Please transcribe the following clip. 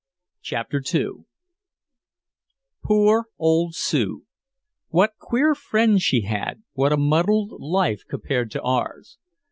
CHAPTER II Poor old Sue. What queer friends she had, what a muddled life compared to ours.